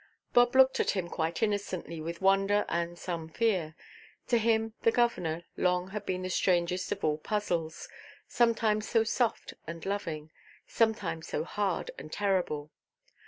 Bob looked at him quite innocently with wonder and some fear. To him "the governor" long had been the strangest of all puzzles, sometimes so soft and loving, sometimes so hard and terrible.